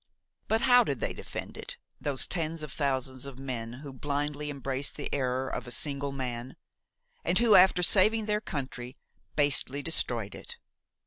But how did they defend it, those tens of thousands of men who blindly embraced the error of a single man, and who, after saving their country, basely destroyed it?